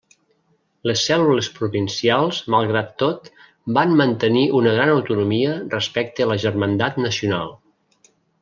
Les cèl·lules provincials malgrat tot van mantenir una gran autonomia respecte a la germandat nacional.